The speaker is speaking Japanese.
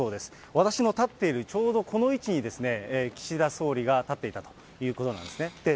私の立っているちょうどこの位置に、岸田総理が立っていたということなんですね。